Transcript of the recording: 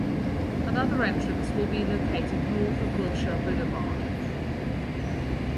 Another entrance will be located north of Wilshire Blvd.